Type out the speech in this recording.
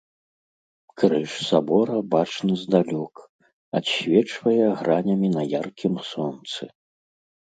Крыж сабора бачны здалёк, адсвечвае гранямі на яркім сонцы.